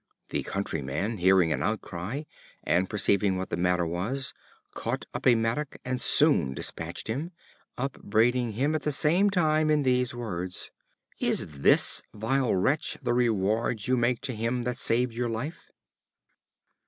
The Countryman, hearing an outcry, and perceiving what the matter was, caught up a mattock, and soon dispatched him, upbraiding him at the same time in these words: "Is this, vile wretch, the reward you make to him that saved your life?"